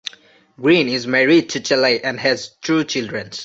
Green is married to Chele and has two children.